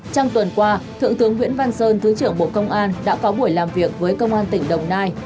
trong tuần qua thượng tướng nguyễn văn sơn thứ trưởng bộ công an đã có buổi làm việc với công an tỉnh đồng nai